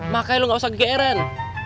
makanya lo gak usah ke kr an